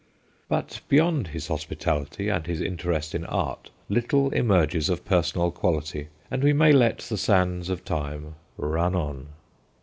But beyond his hos pitality and his interest in art little emerges of personal quality, and we may let the sands of time run on.